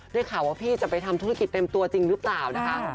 ได้ข่าวว่าพี่จะไปทำธุรกิจเต็มตัวจริงหรือเปล่านะคะ